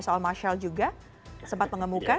kalau marshall juga sempat mengemukkan